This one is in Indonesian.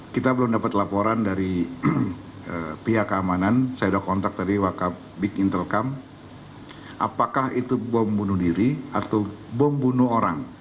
kita belum dapat laporan dari pihak keamanan saya sudah kontak tadi wakab big intelkam apakah itu bom bunuh diri atau bom bunuh orang